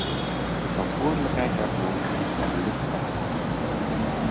De verantwoordelijkheid daarvoor ligt bij de lidstaten.